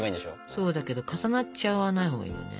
そうだけど重なっちゃわないほうがいいよね。